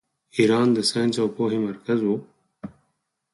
ایران د ساینس او پوهې مرکز و.